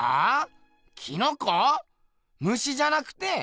虫じゃなくて？